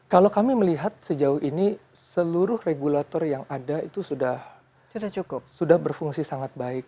kalau kami melihat sejauh ini seluruh regulator yang ada itu sudah berfungsi sangat baik